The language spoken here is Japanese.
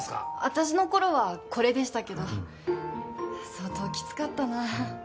私の頃はこれでしたけど相当きつかったな。